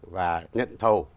và nhận thầu